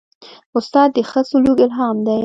استاد د ښه سلوک الهام دی.